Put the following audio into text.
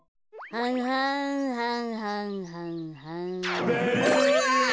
はんはんはんはんはんはん。